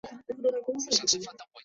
万历十年进士。